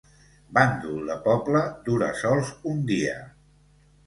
Bàndol de poble dura sols un dia.